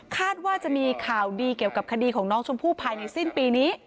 ว่าจะมีข่าวดีเกี่ยวกับคดีของน้องชมพู่ภายในสิ้นปีนี้